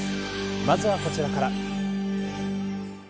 まずはこちらから。